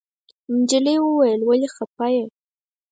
نجلۍ وويل ولې خپه يې.